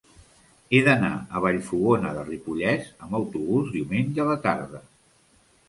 He d'anar a Vallfogona de Ripollès amb autobús diumenge a la tarda.